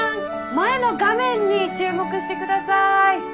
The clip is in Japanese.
前の画面に注目してください。